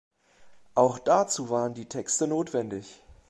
Auch dazu waren die Texte notwendig.